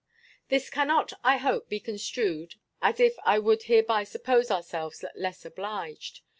This cannot, I hope, be construed as if I would hereby suppose ourselves less obliged.